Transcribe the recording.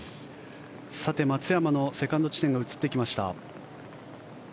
松山のセカンド地点が映ってきました。